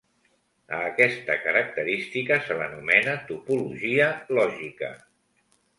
A aquesta característica se l'anomena topologia lògica.